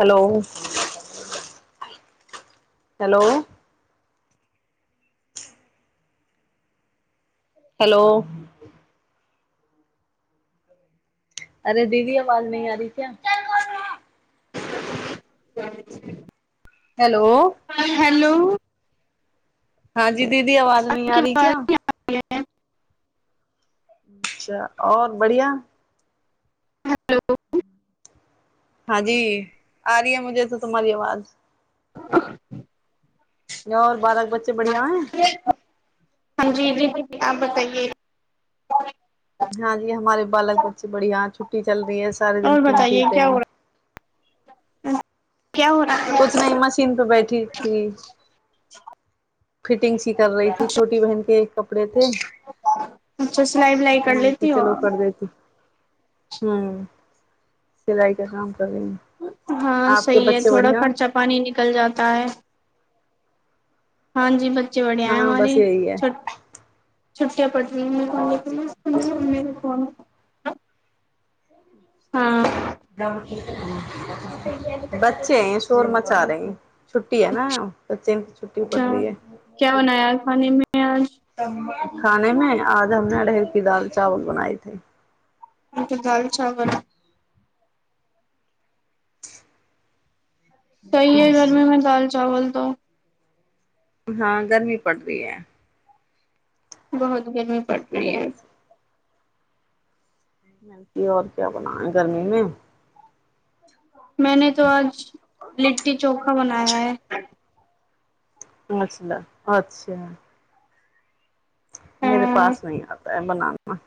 hello hello hello अरे दीदी आवाज न आ री क्या जा छै हेलो हेलो हँ जी दी दीदी आवाज नहि आ री क्या हठ अच्छा आओर बढ़िआ हेलो हँ जी आ रीै मुझे त तुम्ही आवाज [unintelligible] नहि ओर बाद ह जी जी आ बताइए हँ जी हमारे बालक बच्चे बड़ी हा छटी कि चल है सारे दिन और खून बताइए पीते क्या हो है रहा है क्या हो रहा है कछ नहि मशीन पे बैठी फटिंग सी कर रही छोटी बहन के कपड़े थे अच्छा सिलाई विलाई कर मन की लेती हो चलो कर आप देती ह सिलाइ क काम कर रही हैं हँ आपके सही है बच्चे थोड़ा बढ़िया खर्चा पानी निकल जाता है हँ जी ब जी बढ़िया है हाँ मोनी बस यही है छ छुट पट ओ सु हँ बच्चे शोर मचा रहे हैं छुट्टी है ने बच्चे छुटी पढ़ रही है ह [inaudible] खाने मे आज हम ने अढ़ेर की दाल चावल बनाये थे त त दाल चावल सही है गर्मी मे दाल चावल तो हँ गर्मी पड़ री है बहुत गर्मी इसकी पड़ती है वजह से और क्या बनाये गर्मी मे मैने तो आज लिट्टी चोखा बनाय है अचछा अच्छा मेेेरे हाँ पास नहीं आता है बनाना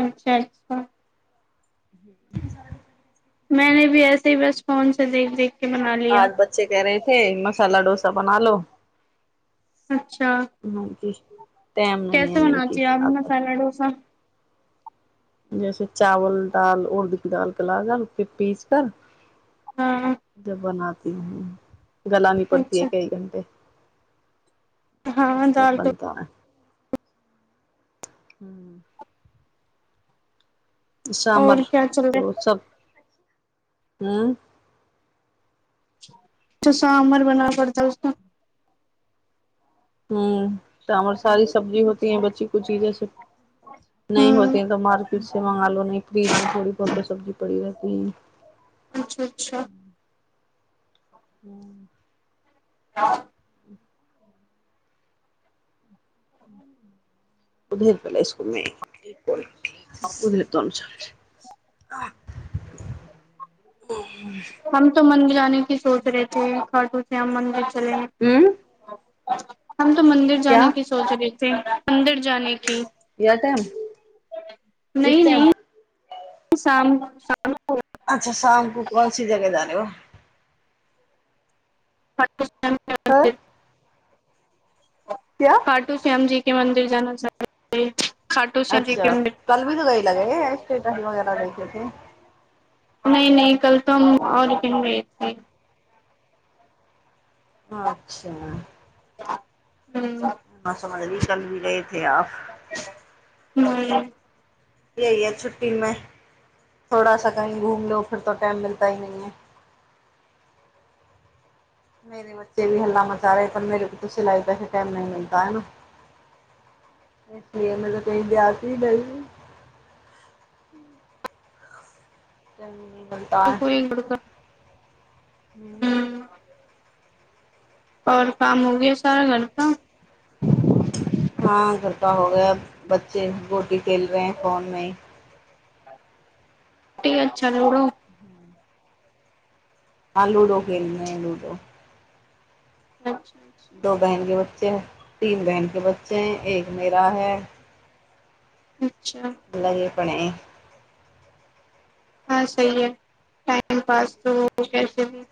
अच्छा अच्छा ह [inaudible] मैने भी ऐसे ही बस फोन से देख ली आज बच्चे कह रहेै हैं ऐ मसला डोसा बना लो हुँ अच्छा मैंने कि टाइम नहीं है कैसे मैंने बना कि छियै आ आज तक मसाला डोसा जैसे चावल दाल उर्द क दालके लागल फेर पीस कर हाँ जे बना ती हुँ ह गलानी पड़ती है अच्छा कई घंटे हाँ जब दाल तो बनता है हुँ सामर और क्या चल रहा है तऽ सब हुँ चुसआमर बना पड़ता है उसको हुँ ते हमर सारी सब्जी होती है बच्ची कूची जैसे नहीं होती हम्म है तऽ मार्केट से मंगा लो नहि फ्रिज मे थोड़ी बहुत सब्जी पड़ी रहती है अच्छा अच्छा हुँ ह [inaudible] बधे भेललाक नहिप ओल तन हुँ हम तो मन्दिर जााने की सोच रहे थे खाटू श्याम मन्दिर हँ ह हम तो मंन्दिर जाने क सोच रहे मन्दिर जानेके य टाइम किस नहीं टाइम नहीं शाम शाम अच्छा शाम को कोनसी जगह जाने व प हँ [inaudible] खट्टू श्याम जी मन्दिर जान चै अच्छा कल भी तऽ गई लगे ह स्टेटस वगैरह देखेे नहि नहि कल तऽ हम आओरटिन रहए अच्छा हू ह समझली कल भी गएथे आ हू यह य छुटी में थोड़ा सा कही घूम ल फिर तो टाइम मिलता ही नह है मेेर बच्चे भी हल्ला मचा रहे पर मेर को तऽ सिलाई पैसा टाइम नहि मिलता है न इसलि मे त कह ब्यस रह च ब त तो कोई घर का ह आओर काम हो गय सारा घर का हँ घरटा हो गया बच्चे गोटी खेल रहे है फोनमे ही रटी अ चलूड़ो हँ लूडो खेलने हैं लूडो अच्छा अच्छा दो बहन के बच्चे तीन बहन के बच्चे है एक मेरा है अच्छा लगे पने हँ सही ह टाइम पास त कैसे ह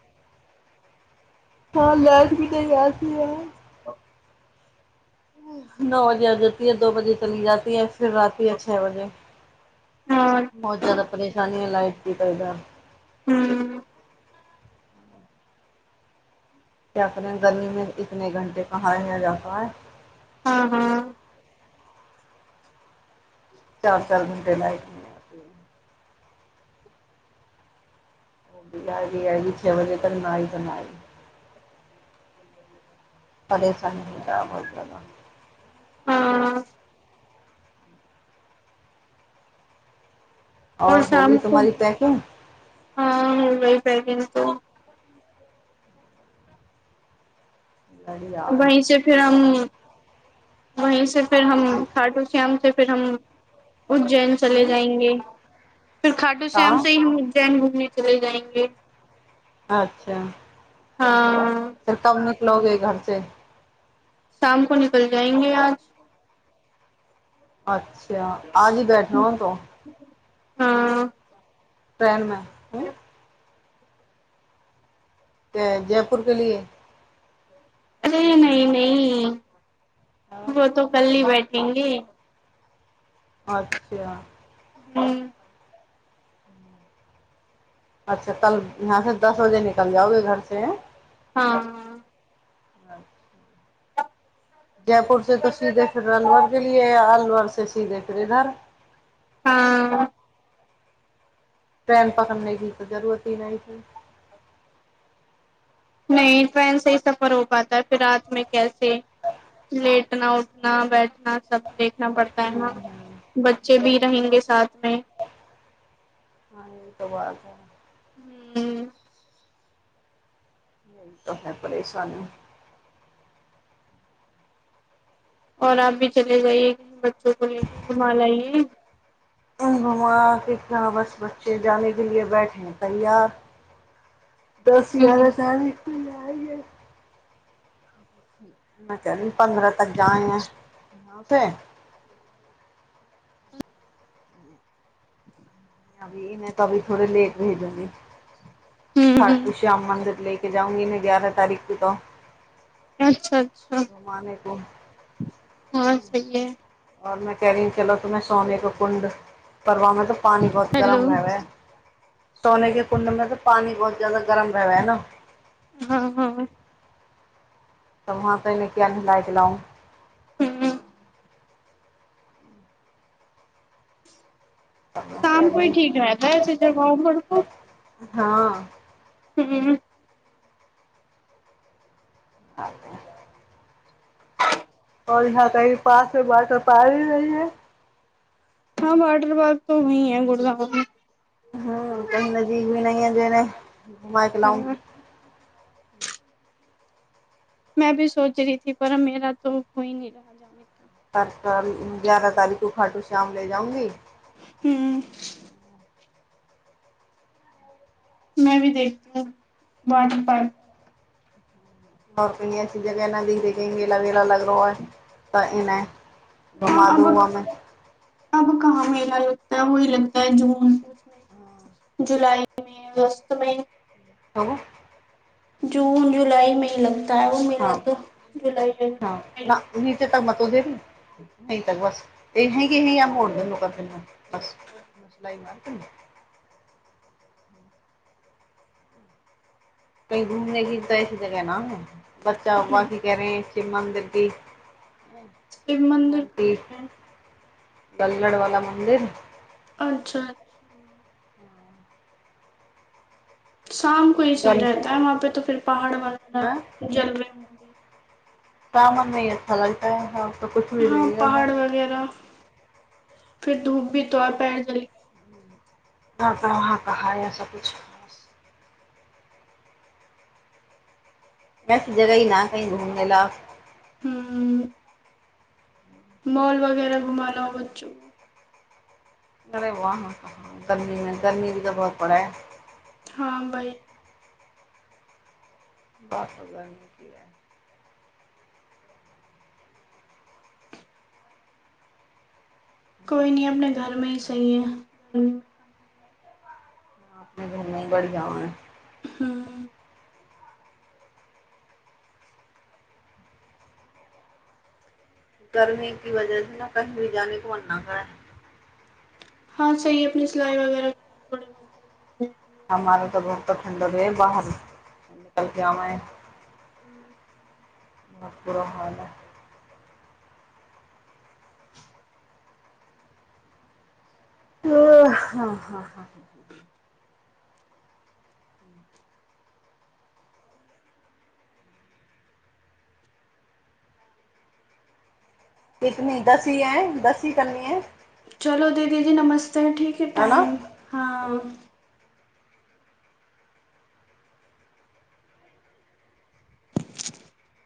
हँ लैस भी तऽ यस य ओ नओ बजे आ जती है दो बजे चली जाती है फिर राति य छओ बजे और बहुत ज्याददा परेशानी ह लाइ की करब ह्म क्या करे गर्मी मे इतने घंटे कहाँ ल जाता है हँ हँ चार चार घंटे लागक च बजे त नइ तना परेशानी हो जा अ बोलऽ ह आओर और होगी शाम को तुम्हारी पैकिंग हँ पेकिंग तो बढ़िया है वहि से फेर हम वही से फेर हम खाटू श्याम से फेर हम उज्जैन चले हम्म, जाएंगे फिर खाटू श्याम कहाँ से ही हम उज्जैन घुमे चले जाएंगे अच्छा हँ फेर कब लोेगे घर पे शाम को निकल जाएंगे आज अच्छा अच्छा आग ही बैठ रह ह तो हाँ ट्रेन में हूँ तऽ जयपुर के लिए नहि नहि नहि वो तो कल ही बैठ बेढेंगे अच्छा हँ अच्छा कल यहाँ से दस बजे निकल जाओगे घर से हँ अचछा जयपुर से तो सीधे फिर रनवर के लिए या [unintelligible] स श्रीद फ्रेधार हाँ ट्रेन पकड़ने क तऽ जरूरत ही नहि की नहि ट्रेन से सफर हो पाता है फेर रात मे कैसे लेटना उठना बैठना सब देख देखना पड़ता है हम्म, न बच्चे भी रहंगे साथ में हँ ई त बात है हू यहि तो है परेशान आऔर आप भी चलै जाइए कि बच्चो को लेके घुमा लइए घुमा क कहाँ बस बच्चे जाे के लि बैठे है तैयार दस गारह हूँ सने चली पन्द्रह तक जाय छै [unintelligible] अभी इने तऽभी थोड़े लेट भेजी खरकू श्याम मन्दिर ल जाउगी ने ग्यारह तारखके त अच्छा अच्छा हँ सहीएै औ मैं क रही ह चलो त मैं स्वामी क कु्ड परवमे तऽ पानि बहुत गर्म हेलो होबै सोने के कुण्ड मे तऽ पानि बहुत ज जाददा गरम रहबै ने हँ हँ तब वहाँ पहिल किया नलाायके लहु ह तब मैं कह शाम को रही ही ठीक हूँ रहता ह सधरबउ घरक हँ हू आ तै ह औ यहाँ कही पास मे बाटर पार ही रह है हँ वाटर पार्क त वही है गुरदाावुरमे ह कहि नजीब भी नहि ने घुमायके ल हाँ में भी सोच रही थी पर मेरा त होइ न रह जाान तरकाराली गगारह तारीख को घाटू शाम ले जाउगी ह्म में भी देखती ह बात पार आओरनी असी जगह ए नहि देखे की गेला वेला लग तऽ इ हाँ घुमा अब दोवमे अब काम हेल लगता है वी लगता है जून उसमे जुलाई मे अगस्त मे ह जून जुलाई मे ही लग क उ मिल हँ तो जुलाई ज त मत देब ने अ त बस अह कि अह य मोड़ दन कर दनो बस सिलई मार दने कही घूमने गिर तऽ ऐसी जगह ह नाम ने बच्चा ब की क रहे चिमन्दिदु शिव म मंदिर कहाँ पे है बल्लड़ वाला मन्दिर अच्छा शाम को ऐसे सी गल रहता है वहाँ पे तो फिर पहाड़ बना हाँ जलबे हगे [unintelligible] हँ नहीं है वहाँ पहाड़ वगैरह फिर धूप भी तो आता है पैर जाइए घरप वहाँ कहा यए सभकछु वैस जगह ही ना कहीं घूमने ला हं मॉल वगैरह घुमा लाओ बच्चो गरे बआ व कह गर्मीमे गर्मी भी तऽ बहुत पड़ै हइ हँ वही दस हजार निक कोइ नहिं घूमने की अपने तो घरमे ही सही है कर अपने घरमे बढ़ियां है हं गर्मी क वजह से ने कही भी जााने को मन ना करत हँ सही अपनी सिलई वगैरह कर थोड़े बहुत भी हमर जाएंगे तऽ बहु ठंडक रहय बाहर निकल क मे ह [inaudible] भ पुर रहलए आ हँ ह ह कतनी दस ह है दस ह करनी है हेलो दीदी जी नमस्त चल ठीक ह है ना टाइम हँ [unintelligible]